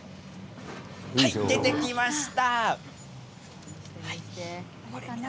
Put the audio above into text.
出てきました。